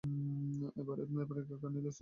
এরপরের বছর কর্নেলিয়াস কার্যকরী কমিটির সভাপতি হন।